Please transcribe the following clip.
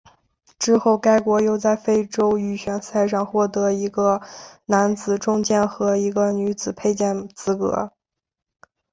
之后该国又在非洲预选赛上获得一个男子重剑和一个女子佩剑资格。